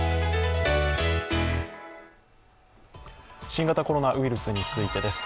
新型コロナウイルスについてです。